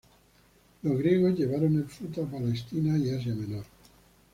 Los griegos llevaron el fruto a Palestina y Asia Menor.